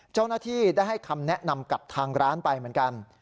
เจ้าหน้าที่ได้ให้คำแนะนำกับทางร้านไปเหมือนกัน